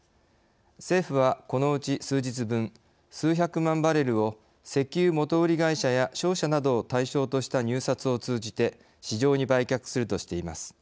政府は、このうち数日分数百万バレルを石油元売り会社や商社などを対象とした入札を通じて市場に売却するとしています。